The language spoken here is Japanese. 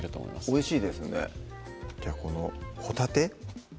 おいしいですねじゃあこのほたて？